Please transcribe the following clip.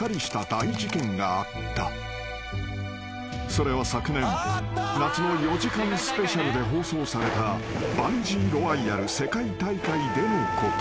［それは昨年夏の４時間スペシャルで放送されたバンジー・ロワイアル世界大会でのこと］